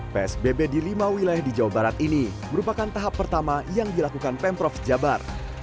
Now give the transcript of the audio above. psbb di lima wilayah di jawa barat ini merupakan tahap pertama yang dilakukan pemprov jabar